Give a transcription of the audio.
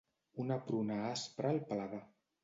Una pruna aspra al paladar.